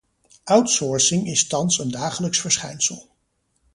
Outsourcing is thans een dagelijks verschijnsel.